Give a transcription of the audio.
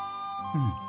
うん。